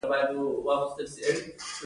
میخانیکي عملیې هم په دې کې ونډه لري.